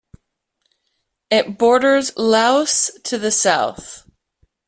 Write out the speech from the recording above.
It borders Laos to the south.